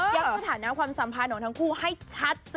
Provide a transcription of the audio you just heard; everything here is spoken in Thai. สถานะความสัมพันธ์ของทั้งคู่ให้ชัดสิ